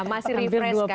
masih refresh kan